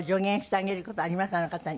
あの方に。